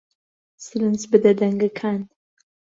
سرنج بدە بە دەنگەکان